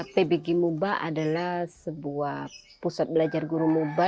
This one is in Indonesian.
pbg muba adalah sebuah pusat belajar guru muba